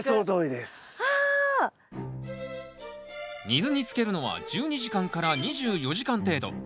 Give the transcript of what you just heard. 水につけるのは１２時間２４時間程度。